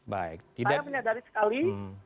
saya menyadari sekali